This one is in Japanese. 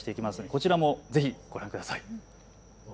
こちらもぜひご覧ください。